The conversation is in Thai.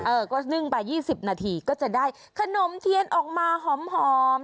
เออก็นึ่งไป๒๐นาทีก็จะได้ขนมเทียนออกมาหอม